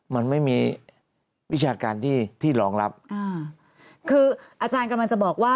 มันไม่มีวิชาการที่ที่รองรับอ่าคืออาจารย์กำลังจะบอกว่า